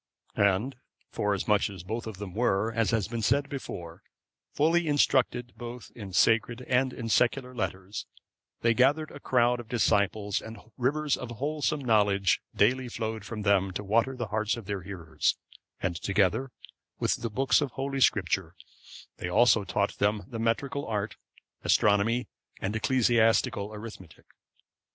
And forasmuch as both of them were, as has been said before, fully instructed both in sacred and in secular letters, they gathered a crowd of disciples, and rivers of wholesome knowledge daily flowed from them to water the hearts of their hearers; and, together with the books of Holy Scripture, they also taught them the metrical art, astronomy, and ecclesiastical arithmetic.